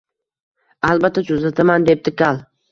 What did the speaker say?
Albatta tuzataman, debdi kal